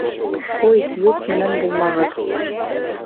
Ҡуй, юҡ менән булмағыҙ!